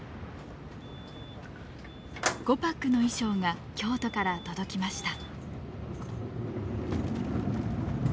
「ゴパック」の衣装が京都から届きました。